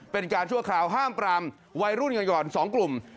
ชั่วคราวห้ามปรามวัยรุ่นกันก่อน๒กลุ่ม